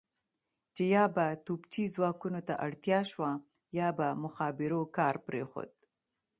چې یا به توپچي ځواکونو ته اړتیا شوه یا به مخابرو کار پرېښود.